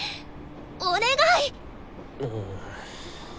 お願いっ！